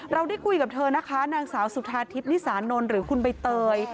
เราได้คุยกับเธอนะคะนางสาวสุธาทิพย์นิสานนท์หรือคุณใบเตย